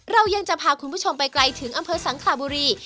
เรายังจะพาคุณผู้ชมไปไกลถึงอำเภอสังขลาบุรี